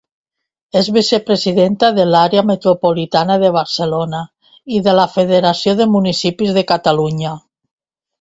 És vicepresidenta de l'Àrea Metropolitana de Barcelona i de la Federació de Municipis de Catalunya.